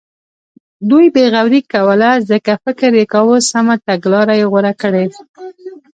دوی بې غوري کوله ځکه فکر یې کاوه سمه تګلاره یې غوره کړې.